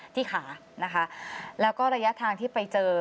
ที่ขานะคะแล้วก็ระยะทางที่ไปเจอ